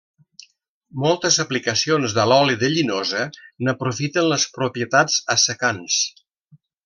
Moltes aplicacions de l'oli de llinosa n'aprofiten les propietats assecants.